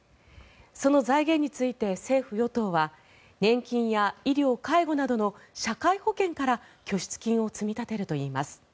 その財源について政府・与党は年金や医療介護などの社会保険から拠出金を積み立てるといいます。